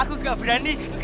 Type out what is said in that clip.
aku ga berani kek